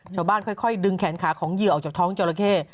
ค่อยดึงแขนขาของเหยื่อออกจากท้องจราเข้